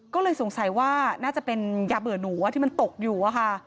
ก็เลยสงสัยว่าน่าจะเป็นยาเบื่อหนูที่มันตกอยู่อะค่ะ